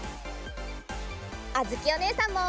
あづきおねえさんも！